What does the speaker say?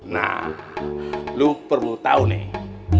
nah lu perlu tahu nih